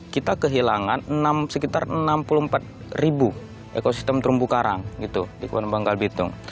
kita kehilangan sekitar enam puluh empat ribu ekosistem terumbu karang di bangka belitung